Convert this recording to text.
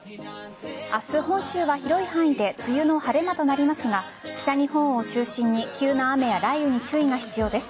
明日、本州は広い範囲で梅雨の晴れ間となりますが北日本を中心に急な雨や雷雨に注意が必要です。